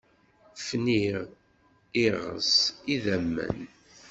Fniɣ, iɣes, idammen.